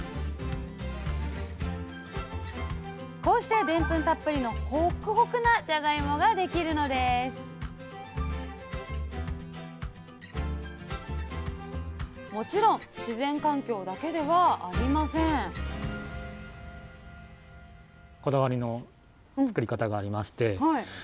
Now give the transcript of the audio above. こうしてでんぷんたっぷりのホックホクなじゃがいもができるのですもちろん自然環境だけではありません初めてこのスタイル。